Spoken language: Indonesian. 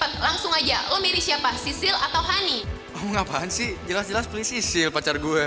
tahan sportif dong